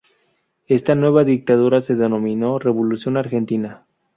Esta nueva dictadura se denominó "Revolución Argentina".